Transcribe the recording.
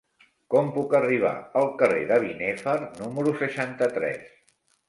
Com puc arribar al carrer de Binèfar número seixanta-tres?